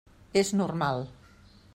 És normal.